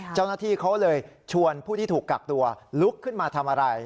เจ้าหน้าที่เขาเลยชวนผู้ที่ถูกกักตัวลุกขึ้นมาทำอะไร